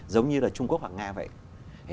giống như trung quốc hoặc nga vậy